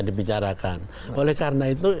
dibicarakan oleh karena itu